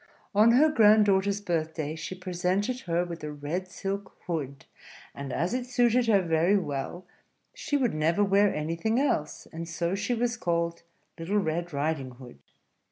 On her grand daughter's birthday she presented her with a red silk hood; and as it suited her very well, she would never wear anything else; and so she was called Little Red Riding Hood.